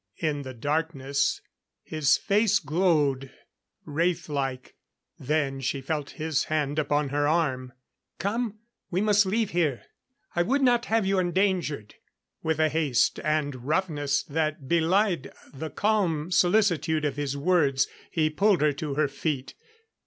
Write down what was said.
In the darkness his face glowed wraith like. Then she felt his hand upon her arm. "Come, we must leave here. I would not have you endangered." With a haste and roughness that belied the calm solicitude of his words, he pulled her to her feet.